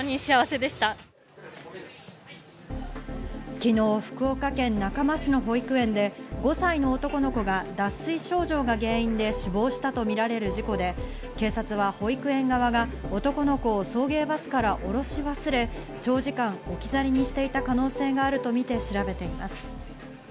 昨日、福岡県中間市の保育園で５歳の男の子が脱水症状が原因で死亡したとみられる事故で、警察は保育園側が男の子を送迎バスから降ろし忘れ、長時間置き去りにしていた可能性があるとみて調べています。